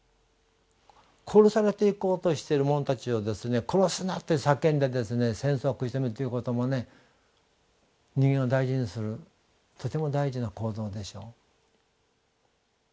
殺されていこうとしてる者たちを「殺すな！」って叫んで戦争を食い止めるということも人間を大事にするとても大事な行動でしょう。